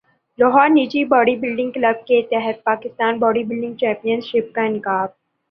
لاہور نجی body building club کے تحت Pakistan body building championship کا انعقاد